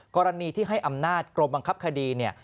กรณีที่ให้อำนาจกรมบังคับคดีเนี่ย